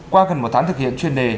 qua gần một tháng thực hiện chuyên đề